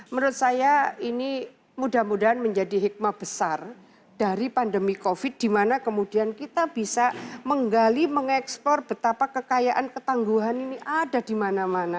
menurut saya ini mudah mudahan menjadi hikmah besar dari pandemi covid di mana kemudian kita bisa menggali mengeksplor betapa kekayaan ketangguhan ini ada di mana mana